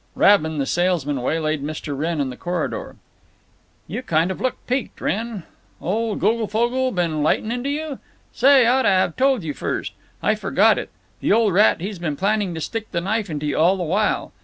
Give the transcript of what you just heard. Rabin, the salesman, waylaid Mr. Wrenn in the corridor. "You look kind of peeked, Wrenn. Old Goglefogle been lighting into you? Say, I ought to have told you first. I forgot it. The old rat, he's been planning to stick the knife into you all the while.